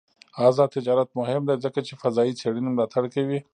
آزاد تجارت مهم دی ځکه چې فضايي څېړنې ملاتړ کوي.